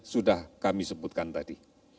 sudah kami sebutkan tadi